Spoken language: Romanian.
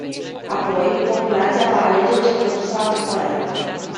Apoi, populația va alege ce produs va cumpăra.